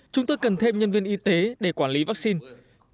chúng tôi cần thêm nhân viên y tế để quản lý vaccine